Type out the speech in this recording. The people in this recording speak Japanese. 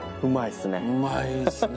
うまいっすね。